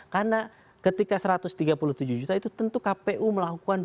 karena ketika satu ratus tiga puluh tujuh juta itu tentu kpu melakukan